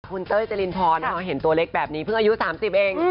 คุณเต้ยจรินพรเห็นตัวเล็กแบบนี้เพิ่งอายุ๓๐เอง